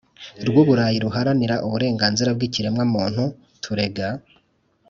rw u Burayi Ruharanira Uburenganzira bw Ikiremwamuntu turega